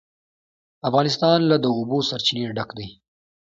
افغانستان له د اوبو سرچینې ډک دی.